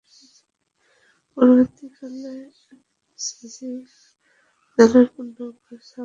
পরবর্তীকালে এমসিসি দলের পূর্ণাঙ্গ সফরের মর্যাদা লাভ করে।